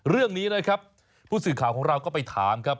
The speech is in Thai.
เรื่องนี้นะครับผู้สื่อข่าวของเราก็ไปถามครับ